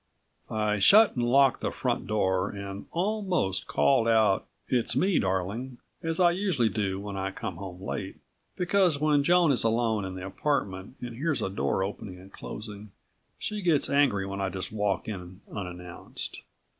I shut and locked the front door and almost called out: "It's me, darling!" as I usually do when I come home late, because when Joan is alone in the apartment and hears a door opening and closing she gets angry when I just walk in unannounced.